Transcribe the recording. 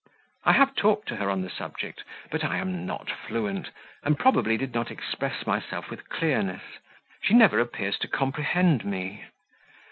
I have talked to her on the subject, but I am not fluent, and probably did not express myself with clearness; she never appears to comprehend me.